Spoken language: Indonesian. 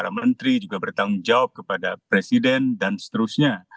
para menteri juga bertanggung jawab kepada presiden dan seterusnya